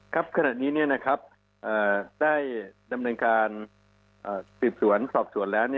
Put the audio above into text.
ครับขนาดนี้นะครับได้ดำเนินการสีบส่วนสอบส่วนแล้ว